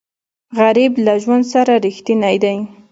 غریب له ژوند سره رښتینی دی